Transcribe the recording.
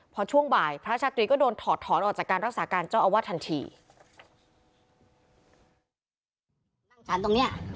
พอช่วงบ่ายพระชาตรีก็โดนถอดถอนออกจากการรักษาการเจ้าอาวาสทันที